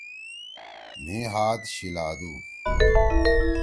مھی ہات شیِلادُو۔